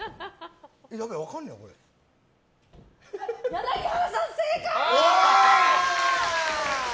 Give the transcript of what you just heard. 柳原さん、正解！